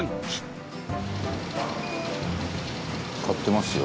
伊達：買ってますよ。